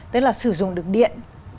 tức là sử dụng được điện